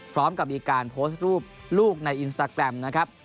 พร้อมกับมีการโพสต์รูปลูกในอินสตาแกรมนะครับ